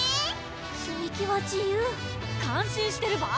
つみ木は自由感心してる場合か！